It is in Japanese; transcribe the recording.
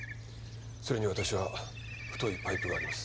それに私は太いパイプがあります